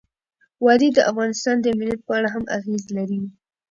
وادي د افغانستان د امنیت په اړه هم اغېز لري.